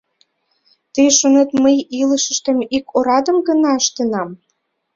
Тый шонет, мый илышыштем ик орадым гына ыштенам?